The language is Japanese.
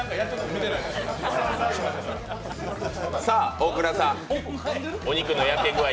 大倉さん、お肉の焼け具合